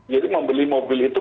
jadi membeli mobil itu